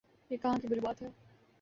یہ کہاں کی بری بات ہے؟